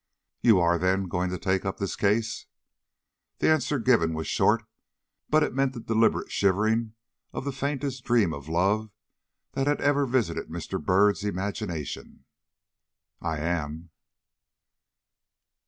"You are, then, going to take up this case?" The answer given was short, but it meant the deliberate shivering of the fairest dream of love that had ever visited Mr. Byrd's imagination. "I am."